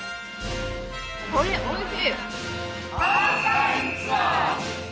これおいしい！